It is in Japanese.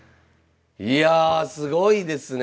いやすごいですねえ。